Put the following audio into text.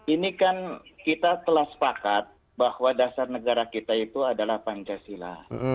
ini kan kita telah sepakat bahwa dasar negara kita itu adalah pancasila